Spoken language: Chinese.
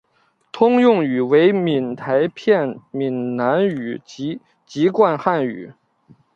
通用语为闽台片闽南语及籍贯汉语。